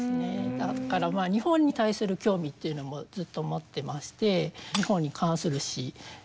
だから日本に対する興味っていうのもずっと持ってまして３つも。